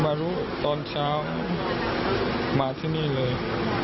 มารู้ตอนเช้ามาที่นี่เลย